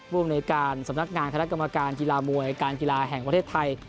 ภูมิในการสำนักงานคณะกรรมการกีฬามวยการกีฬาแห่งประเทศไทย